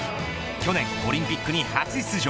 去年オリンピックに初出場。